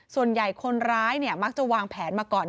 ส่วนใหญ่คนร้ายมักจะวางแผนมาก่อน